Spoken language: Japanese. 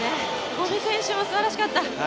五味選手もすばらしかった。